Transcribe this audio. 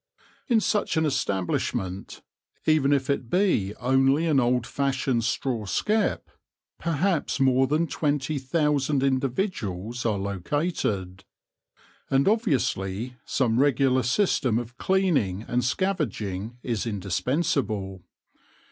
In such an establishment, even if it be only an old fashioned straw skep, perhaps more than twenty thousand individuals are located ; and obviously some regular system of cleaning and scavenging is indispensable.